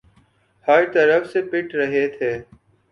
ہر طرف سے پٹ رہے تھے۔